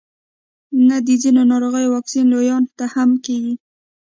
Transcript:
نه د ځینو ناروغیو واکسین لویانو ته هم کیږي